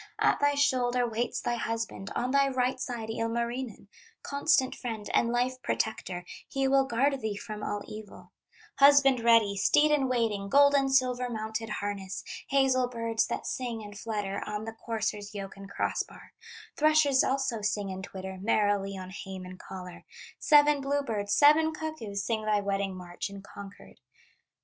At thy shoulder waits thy husband, On thy right side, Ilmarinen, Constant friend and life protector, He will guard thee from all evil; Husband ready, steed in waiting, Gold and silver mounted harness, Hazel birds that sing and flutter On the courser's yoke and cross bar; Thrushes also sing and twitter Merrily on hame and collar, Seven bluebirds, seven cuckoos, Sing thy wedding march in concord.